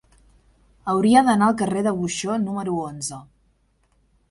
Hauria d'anar al carrer de Buxó número onze.